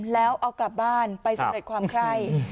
แล้วเอากลับบ้านไปสำเร็จความไคร่